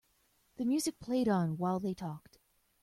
The music played on while they talked.